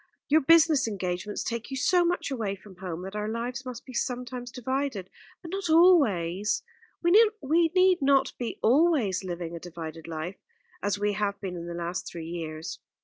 Your business engagements take you so much away from home, that our lives must be sometimes divided; but not always we need not be always living a divided life, as we have been in the last three years."